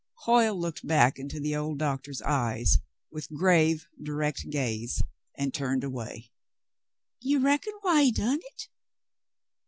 Hoyle looked back into the old doctor's eyes with grave, direct gaze, and turned away. "You reckon why he done hit